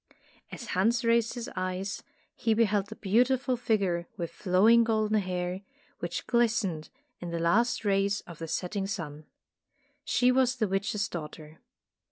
As Hans raised his eyes, he beheld the beautiful figure with flowing golden hair, which glistened in the last rays of the setting sun. She was the witch's daughter.